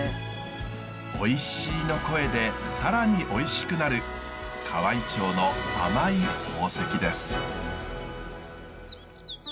「おいしい」の声で更においしくなる河合町の甘い宝石です。